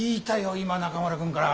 今中村くんから。